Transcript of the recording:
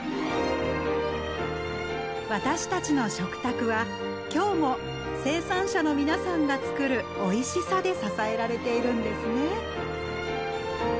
私たちの食卓は今日も生産者の皆さんがつくる「おいしさ」で支えられているんですね。